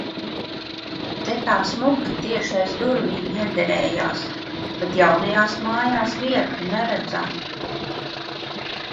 Te tā smuki tieši aiz durvīm iederējās, bet jaunajās mājas vietu neredzam...